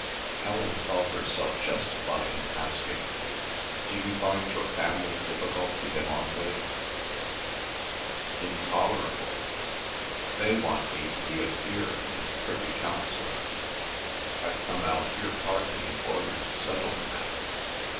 Helen thought herself justified in asking, "Do you find your family difficult to get on with?" "Intolerable. ... They want me to be a peer and a privy councillor. I've come out here partly in order to settle the matter.